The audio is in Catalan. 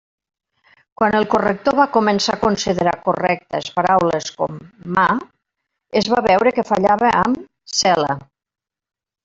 Quan el corrector va començar a considerar correctes paraules com “mà”, es va veure que fallava amb “cel·la”.